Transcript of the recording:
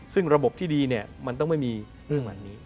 ซึ่งระบบที่ดีเนี่ยมันต้องไม่มีเรื่องแบบนี้